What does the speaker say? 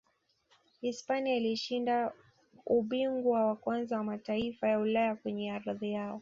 hispania ilishinda ubingwa wa kwanza wa mataifa ya ulaya kwenye ardhi yao